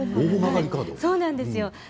そうなんですよ。